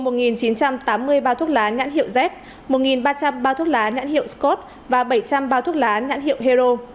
một chín trăm tám mươi bao thuốc lá nhãn hiệu z một ba trăm linh bao thuốc lá nhãn hiệu scott và bảy trăm linh bao thuốc lá nhãn hiệu hero